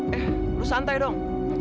eh lu santai dong